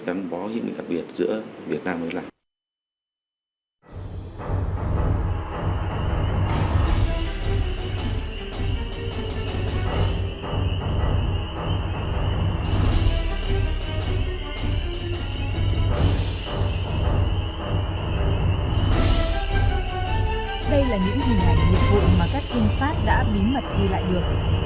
gắn bó hiệu nguyện đặc biệt giữa việt nam với lào